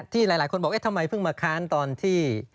ที่หลายคนบอกทำไมเพิ่งมาค้านตอนที่